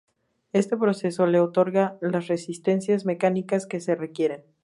Este proceso le otorga las resistencias mecánicas que se requieren.